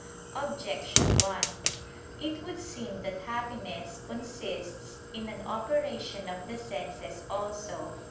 Objection 1: It would seem that happiness consists in an operation of the senses also.